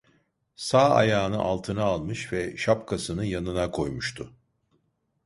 Sağ ayağını altına almış ve şapkasını yanına koymuştu.